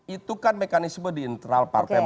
itu kan mekanisme di internal partai partai